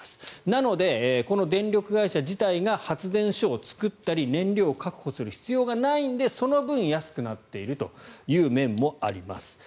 なので、この電力会社自体が発電所を造ったり燃料を確保する必要がないのでその分、安くなっている面もあります。